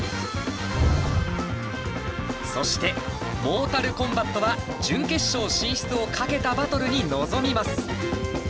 そしてモータルコンバットは準決勝進出をかけたバトルに臨みます。